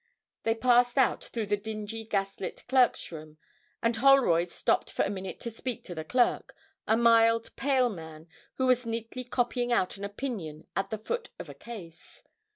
They passed out through the dingy, gas lit clerk's room, and Holroyd stopped for a minute to speak to the clerk, a mild, pale man, who was neatly copying out an opinion at the foot of a case.